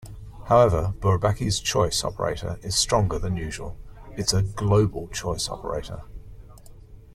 However, Bourbaki's choice operator is stronger than usual: it's a "global" choice operator.